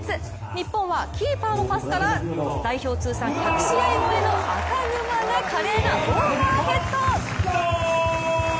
日本はキーパーのパスから代表通算１００試合超えの赤熊が華麗なオーバーヘッド！